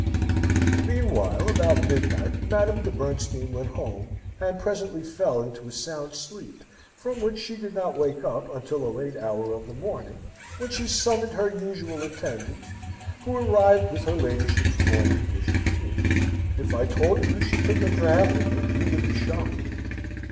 Meanwhile, about midnight, Madame de Bernstein went home, and presently fell into a sound sleep, from which she did not wake up until a late hour of the morning, when she summoned her usual attendant, who arrived with her ladyship's morning dish of tea. If I told you she took a dram with it, you would be shocked.